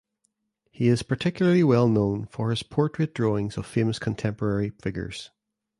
He is particularly well known for his portrait drawings of famous contemporary figures.